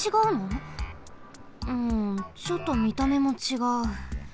うんちょっとみためもちがう。